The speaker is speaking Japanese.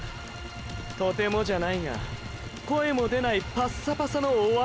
とてもじゃないが声も出ないパッサパサの終了